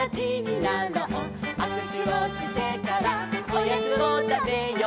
「あくしゅをしてからおやつをたべよう」